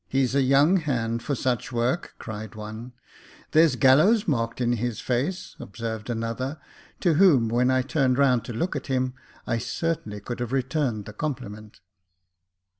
" He's a young hand for such work," cried one. There's gallows marked in his face," observed another, to whom, 68 Jacob Faithful when I turned round to look at him, I certainly could have returned the compliment.